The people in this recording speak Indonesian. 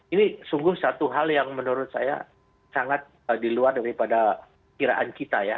ini sungguh satu hal yang menurut saya sangat di luar daripada kiraan kita ya